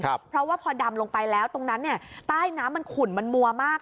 เพราะว่าพอดำลงไปแล้วตรงนั้นเนี่ยใต้น้ำมันขุ่นมันมัวมาก